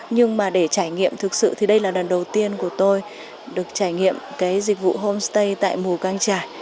nhưng mà để trải nghiệm thực sự thì đây là lần đầu tiên của tôi được trải nghiệm cái dịch vụ homestay tại mù căng trải